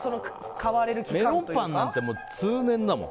メロンパンなんて通年だもん。